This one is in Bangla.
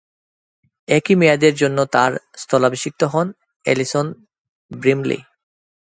একই মেয়াদের জন্য তার স্থলাভিষিক্ত হন অ্যালিসন ব্রিমলো।